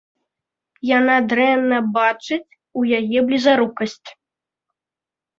Яна дрэнна бачыць, у яе блізарукасць.